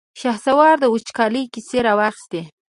شهسوار د وچکالۍ کيسې را واخيستې.